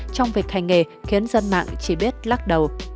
trong việc hành nghề khiến dân mạng chỉ biết lắc đầu